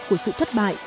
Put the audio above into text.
của sự thất bại